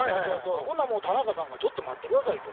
ほなもう田中さんが「ちょっと待って下さい」と。